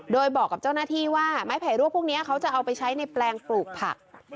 โดยบอกกับเจ้าหน้าที่ว่าไม้ไผ่รวกพวกนี้เขาจะเอาไปใช้ในแปลงปลูกผัก